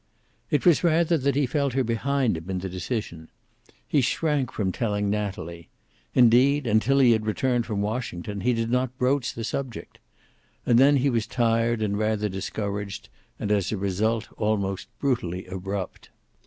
It was rather that he felt her behind him in the decision. He shrank from telling Natalie. Indeed, until he had returned from Washington he did not broach the subject. And then he was tired and rather discouraged, and as a result almost brutally abrupt.